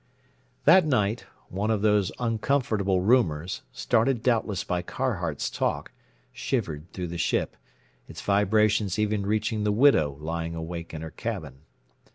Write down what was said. That night one of those uncomfortable rumors, started doubtless by Carhart's talk, shivered through the ship, its vibrations even reaching the widow lying awake in her cabin.